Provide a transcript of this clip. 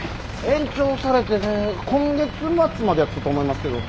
延長されて今月末までやったと思いますけど。